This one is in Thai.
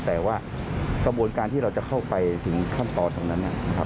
แต่ว่ากระบวนการที่เราจะเข้าไปถึงขั้นตอนตรงนั้นนะครับ